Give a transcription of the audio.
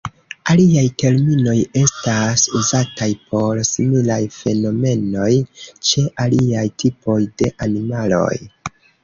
Aliaj terminoj estas uzataj por similaj fenomenoj ĉe aliaj tipoj de animaloj.